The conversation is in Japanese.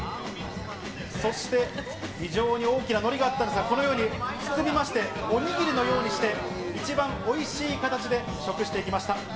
そして、非常に大きなのりがあったんですが、このように包みまして、おにぎりのようにして、一番おいしい形で食していきました。